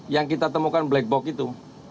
yang kita temukan black box itu